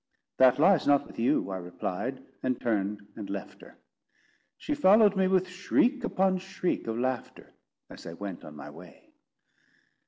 "That lies not with you," I replied, and turned and left her. She followed me with shriek upon shriek of laughter, as I went on my way.